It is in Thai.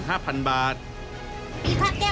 แต่ว่าไม่ใช่ทำเป็นล็อคเก็ตของลักเล็กนะ